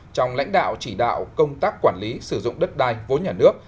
trong lãnh đạo chỉ đạo công tác quản lý sử dụng đất đai vốn nhà nước